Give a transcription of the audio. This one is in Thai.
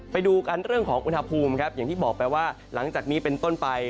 ไปดูกันเรื่องของอุณหภูมิครับอย่างที่บอกไปว่าหลังจากนี้เป็นต้นไป